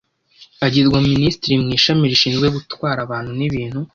agirwa minisitiri mu ishami rishinzwe gutwara abantu n'ibintu